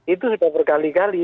itu sudah berkali kali